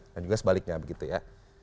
dan juga sebaliknya begitu ya